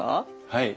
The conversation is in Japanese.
はい。